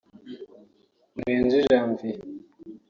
Murenzi Janvier